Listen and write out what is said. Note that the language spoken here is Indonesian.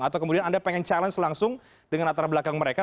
atau kemudian anda pengen challenge langsung dengan latar belakang mereka